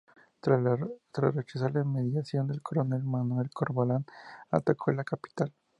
Tras la rechazar la mediación del coronel Manuel Corvalán, atacó la capital.